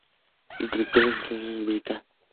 Su director es Josep Serra i Villalba.